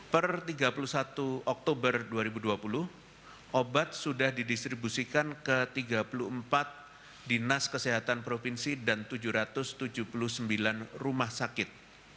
per tiga puluh satu oktober dua ribu dua puluh obat sudah didistribusikan ke tiga puluh empat dinas kesehatan provinsi dan tujuh ratus tujuh puluh sembilan rumah sakit